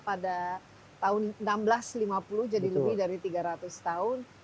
pada tahun seribu enam ratus lima puluh jadi lebih dari tiga ratus tahun